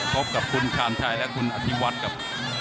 พบกับคุณชาญชัยและคุณอธิวัฒน์ครับ